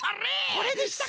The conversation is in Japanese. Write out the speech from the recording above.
これでしたか。